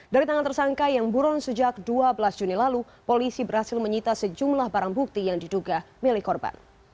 dari tangan tersangka yang buron sejak dua belas juni lalu polisi berhasil menyita sejumlah barang bukti yang diduga milik korban